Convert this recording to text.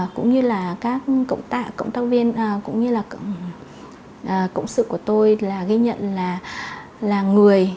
cũng như là các cộng tác viên cũng như là cộng sự của tôi ghi nhận là người